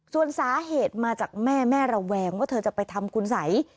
ส่วนสาเหตุมาจากแม่แม่ระแวงว่าเธอจะไปทำคุณสัย